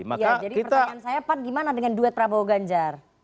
jadi pertanyaan saya pak gimana dengan duet prabowo ganjar